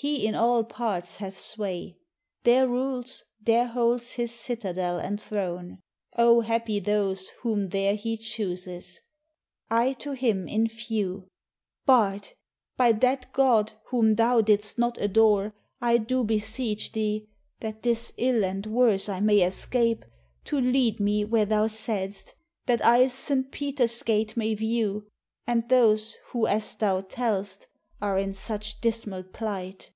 He in all parts hath sway; there rules, there holds His citadel and throne. O happy those, Whom there he chooses!" I to him in few: "Bard! by that God, whom thou didst not adore, I do beseech thee (that this ill and worse I may escape) to lead me, where thou saidst, That I Saint Peter's gate may view, and those Who as thou tell'st, are in such dismal plight."